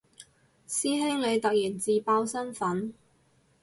師兄你突然自爆身份